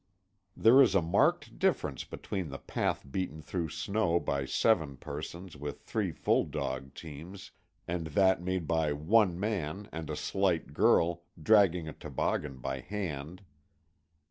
There is a marked difference between the path beaten through snow by seven persons with three full dog teams, and that made by one man and a slight girl, dragging a toboggan by hand.